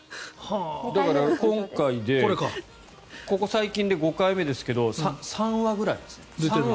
だから、今回でここ最近で５回目くらいですけど３羽ぐらいですね。